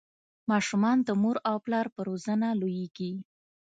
ماشومان د مور او پلار په روزنه لویږي.